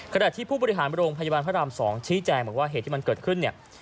ขณะที่ผู้บริหารโรงพยาบาลพระราม๒ชี้แจงบอกว่าเหตุที่มันเกิดขึ้นเนี่ย